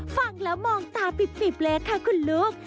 ฟังแล้วมองตาปิบเลยค่ะคุณลูก